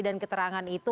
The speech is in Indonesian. dan keterangan itu